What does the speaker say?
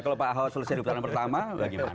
kalau pak ahok selesai di putaran pertama bagaimana